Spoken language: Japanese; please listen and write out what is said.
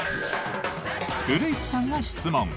古市さんが質問！